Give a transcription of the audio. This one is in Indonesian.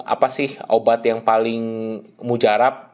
apa sih obat yang paling mujarab